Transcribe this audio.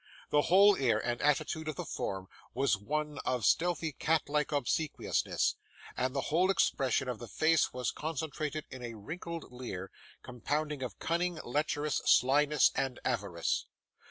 The whole air and attitude of the form was one of stealthy cat like obsequiousness; the whole expression of the face was concentrated in a wrinkled leer, compounded of cunning, lecherousness, slyness, and avarice.